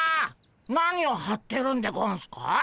何をはってるんでゴンスか？